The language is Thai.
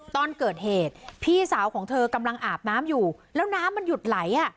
ตอนเกิดเหตุพี่สาวของเธอกำลังอาบน้ำอยู่แล้วน้ำมันหยุดไหลอ่ะ